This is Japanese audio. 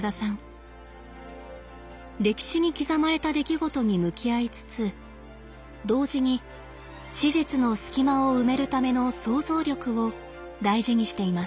歴史に刻まれた出来事に向き合いつつ同時に史実の隙間を埋めるための想像力を大事にしています。